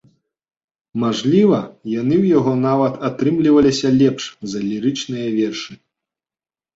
Мажліва, яны ў яго нават атрымліваліся лепш за лірычныя вершы.